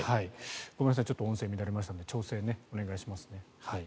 ごめんなさいちょっと音声が乱れましたが調整をお願いしますね。